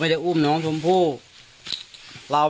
ข้าพเจ้านางสาวสุภัณฑ์หลาโภ